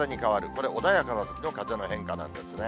これ、穏やかなときの風の変化なんですね。